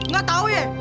gak tau ya